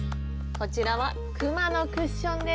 こちらはくまのクッションです。